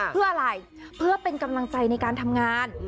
เพื่ออะไรเพื่อเป็นกำลังใจในการทำงาน